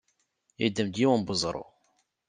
Yeddem-d yiwen n weẓru.